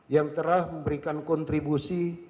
yang telah memberikan kontribusi